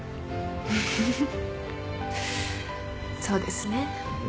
そうですね。